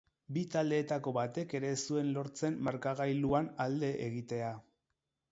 Bi taldeetako batek ere ez zuen lortzen markagailuan alde egitea.